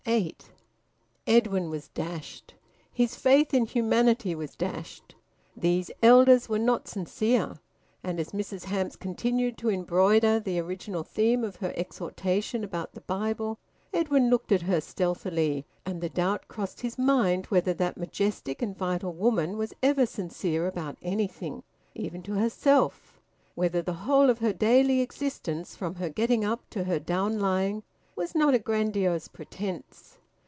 EIGHT. Edwin was dashed. His faith in humanity was dashed. These elders were not sincere. And as Mrs Hamps continued to embroider the original theme of her exhortation about the Bible, Edwin looked at her stealthily, and the doubt crossed his mind whether that majestic and vital woman was ever sincere about anything, even to herself whether the whole of her daily existence, from her getting up to her down lying, was not a grandiose pretence.